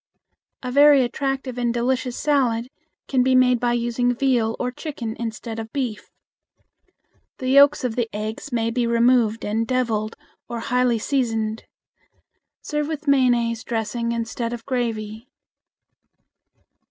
A very attractive and delicious salad can be made by using veal or chicken instead of beef. The yolks of the eggs may be removed and deviled or highly seasoned. Serve with mayonnaise dressing instead of gravy.